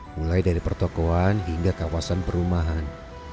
mulai dari pertokohan hingga kawasan perumahan